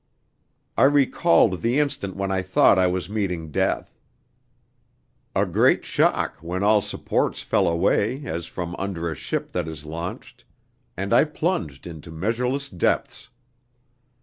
I recalled the instant when I thought I was meeting death: a great shock when all supports fell away as from under a ship that is launched, and I plunged into measureless depths.